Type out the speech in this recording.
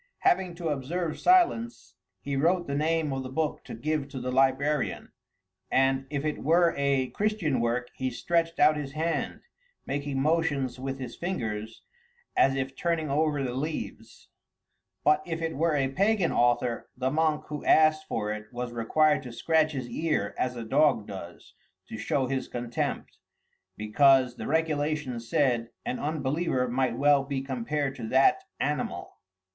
Having to observe silence, he wrote the name of the book to give to the librarian, and if it were a Christian work, he stretched out his hand, making motions with his fingers as if turning over the leaves; but if it were by a pagan author, the monk who asked for it was required to scratch his ear as a dog does, to show his contempt, because, the regulations said, an unbeliever might well be compared to that animal.